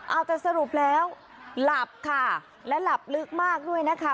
เอาแต่สรุปแล้วหลับค่ะและหลับลึกมากด้วยนะคะ